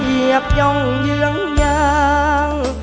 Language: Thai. เหยียบย่องเยื้องยาง